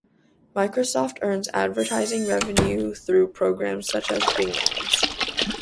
Microsoft earns advertising revenue through programs such as Bing Ads.